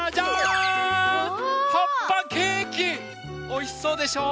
おいしそうでしょ？